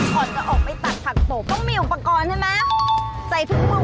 ก่อนจะออกไปตัดผักตกต้องมีอุปกรณ์ใช่ไหมใส่ถุงมือ